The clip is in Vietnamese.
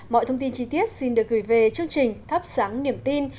mọi thông tin chi tiết xin được gửi về chương trình thắp sáng niềm tin